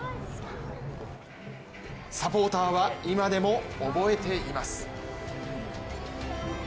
サポーターは今でも覚えています。